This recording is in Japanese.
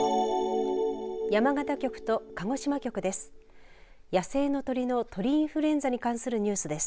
山形局と鹿児島局です。